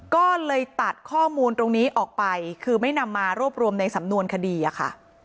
ก็เลยตัดข้อมูลตรงนี้ออกไปคือไม่นำมารวบรวมในสำนวนคดีอะค่ะ